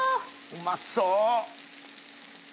うまそう！